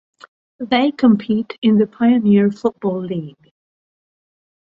They compete in the Pioneer Football League.